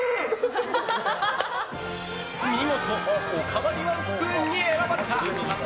見事、おかわりワンスプーンに選ばれた！